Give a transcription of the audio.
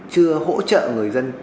chưa hỗ trợ người dân